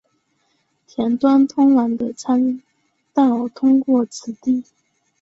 田端通往的参道通过此地。